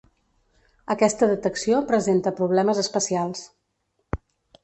Aquesta detecció presenta problemes especials.